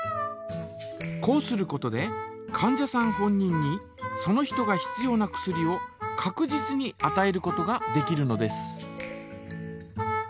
こうすることでかん者さん本人にその人が必要な薬をかく実にあたえることができるのです。